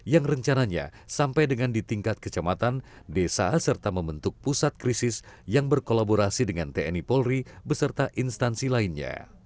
yang rencananya sampai dengan di tingkat kecamatan desa serta membentuk pusat krisis yang berkolaborasi dengan tni polri beserta instansi lainnya